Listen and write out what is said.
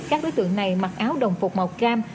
các đối tượng này mặc áo đồng phục màu cam